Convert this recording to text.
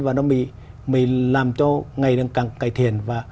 và nó mới làm cho ngày càng cải thiện